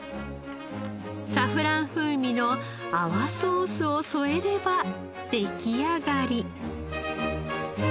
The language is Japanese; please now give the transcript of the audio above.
サフラン風味の泡ソースを添えれば出来上がり。